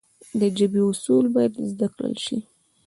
د ژبي اصول باید زده کړل سي.